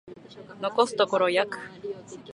残すところ約